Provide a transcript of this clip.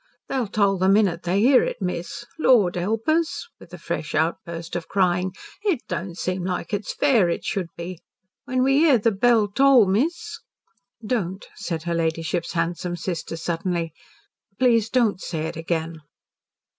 They'll toll the minute they hear it, miss. Lord help us!" with a fresh outburst of crying. "It don't seem like it's fair as it should be. When we hear the bell toll, miss " "Don't!" said her ladyship's handsome sister suddenly. "Please don't say it again."